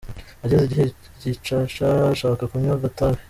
Ageze i Gicaca ashaka kunywa agatabi.